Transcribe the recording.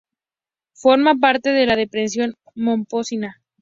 Forma parte de la Depresión momposina.